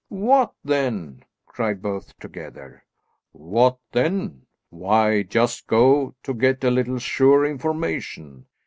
"What then?" cried both together. "What then? Why, just to get a little surer information.